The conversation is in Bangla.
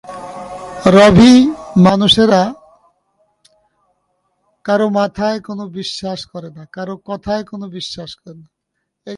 রভি, মানুষেরা এখন কারো কথায় কোনো বিশ্বাস করে না।